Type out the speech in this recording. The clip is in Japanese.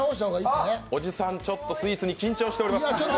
おじさん、ちょっとスイーツに緊張しております。